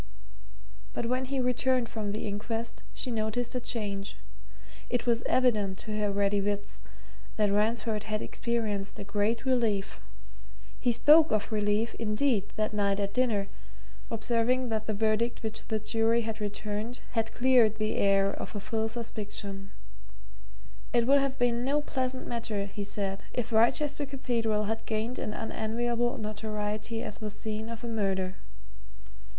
But when he returned from the inquest she noticed a change it was evident, to her ready wits, that Ransford had experienced a great relief. He spoke of relief, indeed, that night at dinner, observing that the verdict which the jury had returned had cleared the air of a foul suspicion; it would have been no pleasant matter, he said, if Wrychester Cathedral had gained an unenviable notoriety as the scene of a murder.